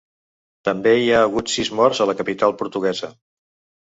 També hi ha hagut sis morts a la capital portuguesa.